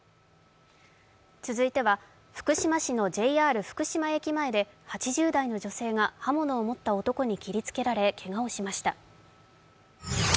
福島市のＪＲ福島駅前で、８０代の女性が刃物を持った男に切りつけられけがをしました。